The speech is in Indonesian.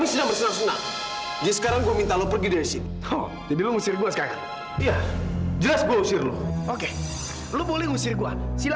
sampai jumpa di video selanjutnya